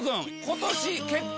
今年。